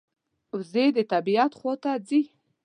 وزې د طبعیت خوا ته ځي